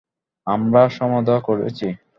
আমরা সমাধা করেছি।